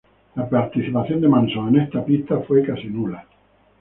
La participación de Manson en esta pista fue casi nula.